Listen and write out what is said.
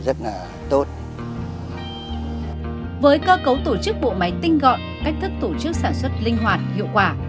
với cơ cấu tổ chức bộ máy tinh gọn cách thức tổ chức sản xuất linh hoạt hiệu quả